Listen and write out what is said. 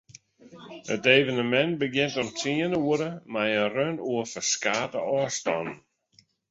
It evenemint begjint om tsien oere mei in run oer ferskate ôfstannen.